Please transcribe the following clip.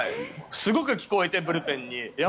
すごく聴こえてブルペンに。